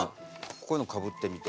こういうのかぶってみて。